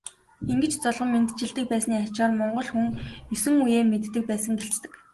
Ингэж золгон мэндчилдэг байсны ачаар монгол хүн есөн үеэ мэддэг байсан гэлцдэг.